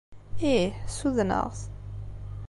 Ih, ssudneɣ-t.